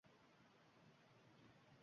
Yo’l bermaymiz aslo bundayin ishga!